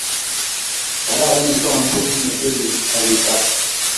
Kararan isoman bukuit ne tilil ak isa